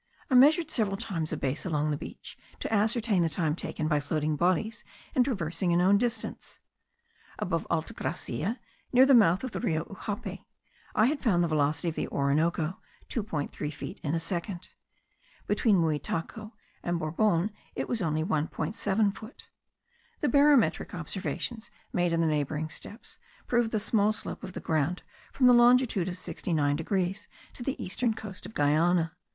I measured several times a base along the beach, to ascertain the time taken by floating bodies in traversing a known distance. Above Alta Gracia, near the mouth of the Rio Ujape, I had found the velocity of the Orinoco 2.3 feet in a second; between Muitaco and Borbon it was only 1.7 foot. The barometric observations made in the neighbouring steppes prove the small slope of the ground from the longitude of 69 degrees to the eastern coast of Guiana.